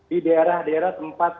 di daerah daerah tempat